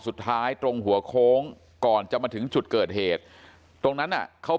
สุดท้ายตรงหัวโค้งก่อนจะมาถึงจุดเกิดเหตุตรงนั้นน่ะเขา